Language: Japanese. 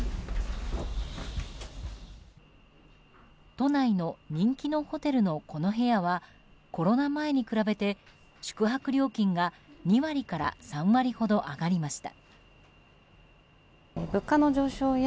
都内の人気のホテルのこの部屋はコロナ前に比べて宿泊料金が２割から３割ほど上がりました。